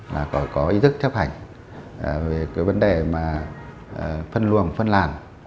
và có ý thức chấp hành về cái vấn đề mà phân luồng phân làng